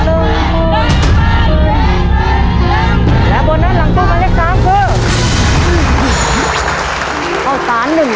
แหละนะและบอร์นัสลังตู้มาได้กล้ามเขือ